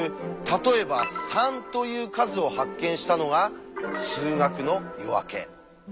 例えば「３」という「数」を発見したのが「数学の夜明け」。